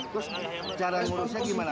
cara yang menurut saya gimana